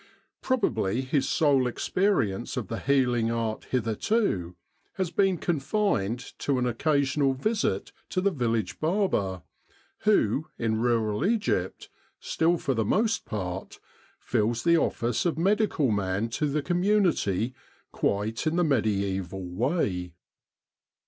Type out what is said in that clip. Probably his sole ex perience of the healing art hitherto has been confined to an occasional visit to the village barber, who, in rural Egypt, still for the most part, fills the office of medical man to the community quite in the mediaeval way.